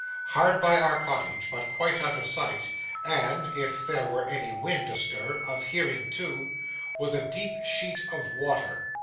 Hard by our cottage, but quite out of sight, and (if there were any wind astir) of hearing too, was a deep sheet of water.